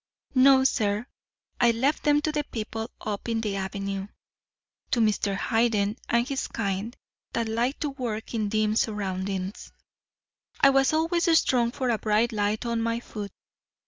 No, sir. I left them to the people up on the avenue to Mr. Hayden and his kind that like to work in dim surroundings I was always strong for a bright light on my food.